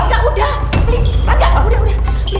enggak udah please enggak enggak enggak enggak enggak